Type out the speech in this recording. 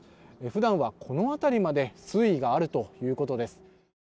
普段はこの辺りまで水位があるということです。